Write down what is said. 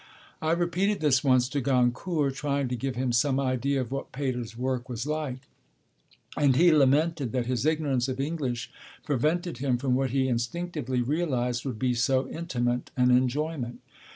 I repeated this once to Goncourt, trying to give him some idea of what Pater's work was like; and he lamented that his ignorance of English prevented him from what he instinctively realised would be so intimate an enjoyment.